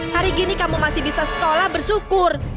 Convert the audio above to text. hari gini kamu masih bisa sekolah bersyukur